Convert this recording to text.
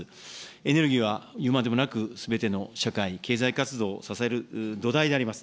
エネルギーは言うまでもなく、すべての社会、経済活動を支える土台であります。